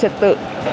rất là trật tự